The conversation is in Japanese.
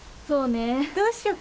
そうね。